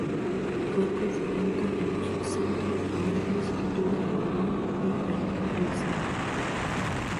Fue presidenta de los Centros de Madres "Arturo Godoy" y "Anita Lizana".